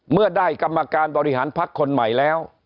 เมื่อได้กรรมการบริหารพักคนใหม่แล้ว